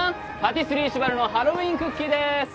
パティスリー・シュバルのハロウィンクッキーでーす！